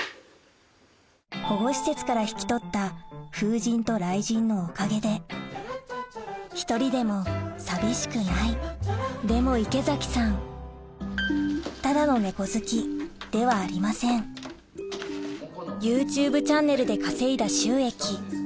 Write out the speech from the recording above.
保護施設から引き取った風神と雷神のおかげで１人でも寂しくないでも池崎さんただの猫好きではありませんＹｏｕＴｕｂｅチャンネルで稼いだ収益